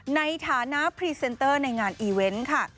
ในฐานะพรีเซนเตอร์ในงานอีเวนต์ค่ะ